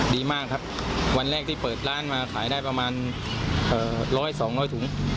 ดีมากครับวันแรกที่เปิดร้านมาขายได้ประมาณ๑๐๐๒๐๐ถุง